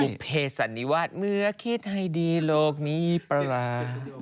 บุพเพสนีวาทเมื่อคิดให้ดีโลกนี้ปรารา